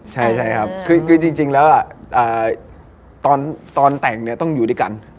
ใช่ครับคือจริงแล้วตอนแต่งเนี่ยต้องอยู่ด้วยกัน